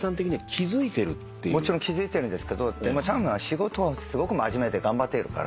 もちろん気付いてるんですけどでもチャンミンは仕事をすごく真面目で頑張っているから。